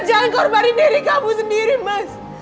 jangan korbanin diri kamu sendiri mas